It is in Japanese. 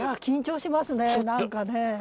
緊張しますね何かね。